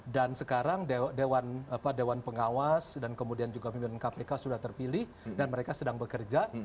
dan sekarang dewan pengawas dan kemudian juga pimpinan kpk sudah terpilih dan mereka sedang bekerja